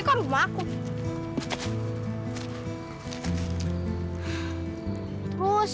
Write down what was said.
kayanya sama joe stafford